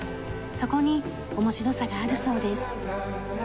そこに面白さがあるそうです。